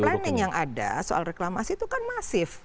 planning yang ada soal reklamasi itu kan masif